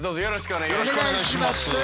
よろしくお願いします。